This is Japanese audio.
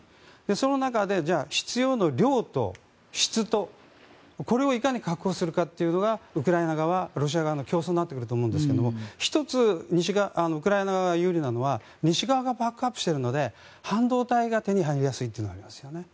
その中で必要な量と質とこれをいかに確保するのかがウクライナ側、ロシア側の競争になってくると思いますが１つ、ウクライナ側が有利なのは西側がバックアップしているので半導体が手に入りやすいというのはありますよね。